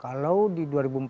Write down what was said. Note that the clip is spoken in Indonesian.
kalau di dua ribu empat belas